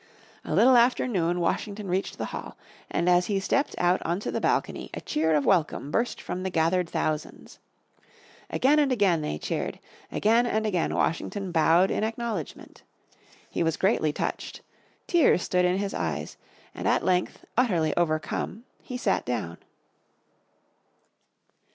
A little after noon Washington reached the hall, and as he stepped out on to the balcony a cheer of welcome burst from the gathered thousands. Again and again they cheered, again and again Washington bowed in acknowledgement. He was greatly touched; tears stood in his eyes, and at length utterly overcome he sat down.